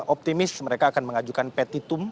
optimis mereka akan mengajukan petitum